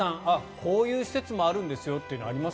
こういう施設もあるんですよというのあります？